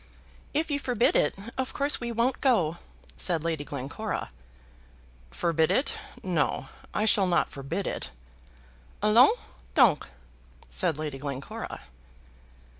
"If you forbid it, of course we won't go," said Lady Glencora. "Forbid it: no; I shall not forbid it." "Allons donc," said Lady Glencora.